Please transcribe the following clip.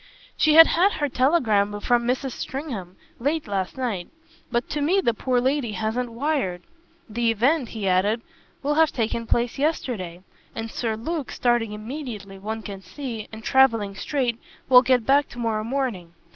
"She had had her telegram from Mrs. Stringham; late last night. But to me the poor lady hasn't wired. The event," he added, "will have taken place yesterday, and Sir Luke, starting immediately, one can see, and travelling straight, will get back tomorrow morning.